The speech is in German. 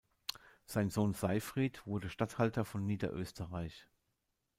Sein Sohn Seyfried wurde Statthalter von Niederösterreich.